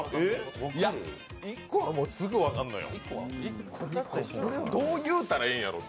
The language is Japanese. １個はすぐ分かんのよ。